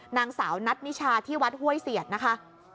นางสาวนัทนิชาที่วัดห้วยเสียดนะคะ